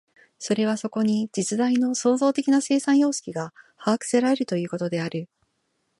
それはそこに実在の創造的な生産様式が把握せられるということである。